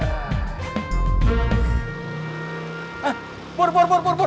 ah pur pur pur pur pur